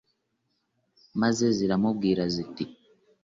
maze ziramubwira ziti